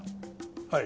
はい。